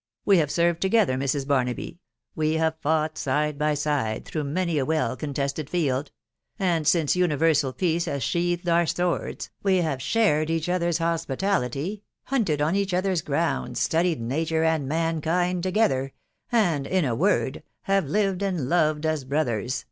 •.• We have served to gether, Mrs. Barnaby .... we have fought side by Bide through many a well contested field .... and since universal .peace has sheathed our swords, we have shared each other's hospitality, hunted oh each other's grounds, studied nature and mankind together, and, in a word, have lived and loved as brothers